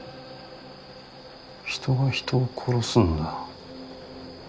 人が人を殺すんだ。